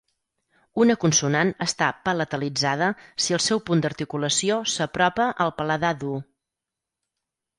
Una consonant està palatalitzada si el seu punt d'articulació s'apropa al paladar dur.